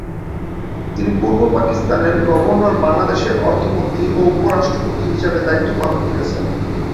তিনি পূর্ব পাকিস্তানের গভর্নর, বাংলাদেশের অর্থমন্ত্রী ও উপরাষ্ট্রপতি হিসেবে দায়িত্বপালন করেছেন।